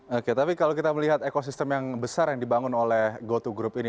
oke tapi kalau kita melihat ekosistem yang besar yang dibangun oleh goto group ini